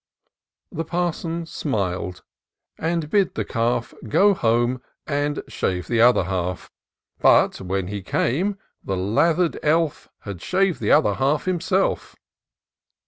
The Parson smil'd, and bid the calf Go home and shave the other half; But, when he came, the lather'd elf Had shaved the other half himself.